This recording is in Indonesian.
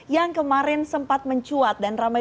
yang kemarin sempat mencuat dan ramai